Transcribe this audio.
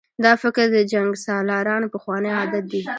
دا فکر د جنګسالارانو پخوانی عادت دی.